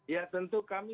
ya tentu kami